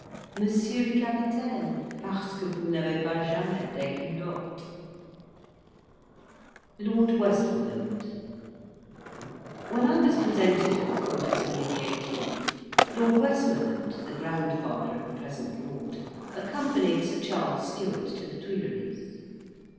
M. le Capitaine, parceque vous n'avez pas jamais des culottes." LORD WESTMORELAND When I was presented at the Court of Louis XVIII., Lord Westmoreland, the grandfather of the present lord, accompanied Sir Charles Stewart to the Tuileries.